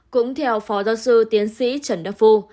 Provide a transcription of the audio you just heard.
cũng theo phó giáo sư tiến sĩ trần đắc phu